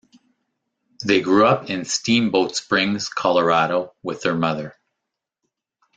They grew up in Steamboat Springs, Colorado with their mother.